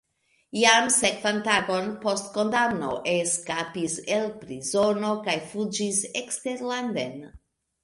Jam sekvan tagon post kondamno eskapis el prizono kaj fuĝis eksterlanden.